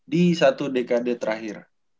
di satu dekade terakhir